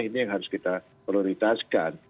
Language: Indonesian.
ini yang harus kita prioritaskan